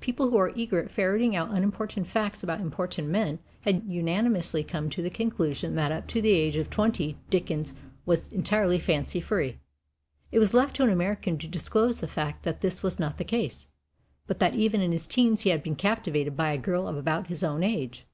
People who are eager at ferreting out unimportant facts about important men had unanimously come to the conclusion that up to the age of twenty Dickens was entirely fancy free. It was left to an American to disclose the fact that this was not the case, but that even in his teens he had been captivated by a girl of about his own age.